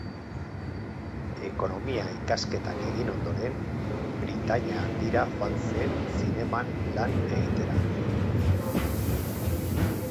Ekonomia-ikasketak egin ondoren, Britainia Handira joan zen zineman lan egitera.